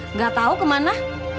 enggak tahu ke mana